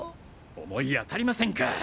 思い当たりませんか？